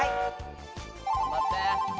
頑張って！